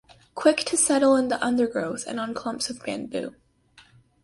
Quick to settle in the undergrowth and on clumps of bamboo.